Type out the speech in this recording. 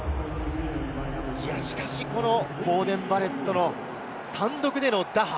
しかしボーデン・バレットの単独での打破！